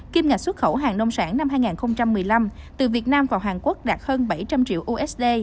kim ngạch xuất khẩu hàng nông sản năm hai nghìn một mươi năm từ việt nam vào hàn quốc đạt hơn bảy trăm linh triệu usd